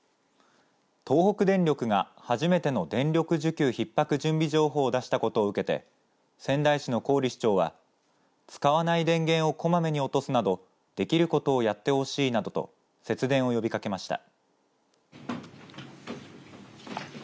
東北電力が初めての電力需給ひっ迫準備情報を出したことを受けて仙台市の郡市長は使わない電源をこまめに落とすなどできることをやってほしいなどと節電を呼びかけました。